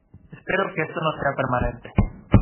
Espero que esto no sea permanente.